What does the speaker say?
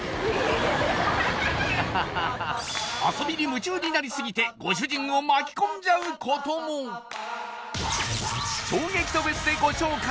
遊びに夢中になりすぎてご主人を巻き込んじゃうことも衝撃度別でご紹介